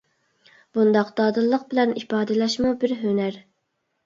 بۇنداق دادىللىق بىلەن ئىپادىلەشمۇ بىر ھۈنەر.